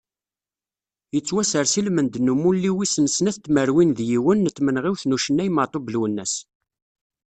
Yettwasers i lmend n umulli wis n snat tmerwin d yiwen, n tmenɣiwt n ucennay Matub Lwennas.